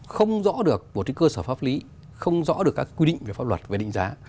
không rõ được một cơ sở pháp lý không rõ được các quy định về pháp luật về định giá